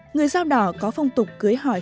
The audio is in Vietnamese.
người rau đỏ có phong tục cưới hỏi